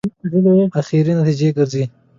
اخري نتیجې ګرځي.